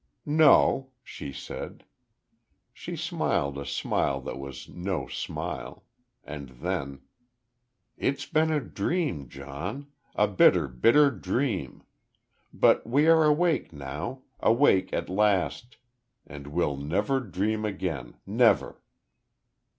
"No," she said. She smiled a smile that was no smile. And then: "It's been a dream, John a bitter, bitter dream. But we are awake, now awake at last. And we'll never dream again never."